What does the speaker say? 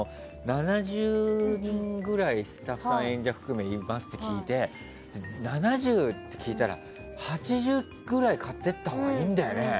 ７０人ぐらい、スタッフさん演者含め、いますって聞いて７０って聞いたら８０ぐらい買っていったほうがいいんだよね。